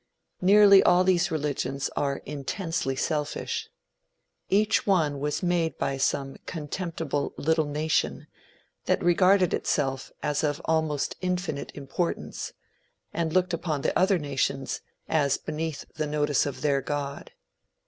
Nearly all these religions are intensely selfish. Each one was made by some contemptible little nation that regarded itself as of almost infinite importance, and looked upon the other nations as beneath the notice of their god.